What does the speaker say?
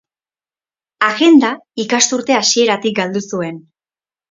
Agenda ikasturte hasieratik galdu zuen.